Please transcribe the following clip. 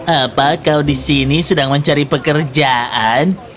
apa kau di sini sedang mencari pekerjaan